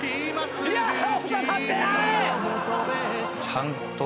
ちゃんと。